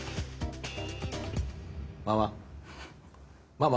ママ！